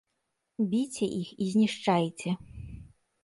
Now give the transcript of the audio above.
Біце іх і знішчайце!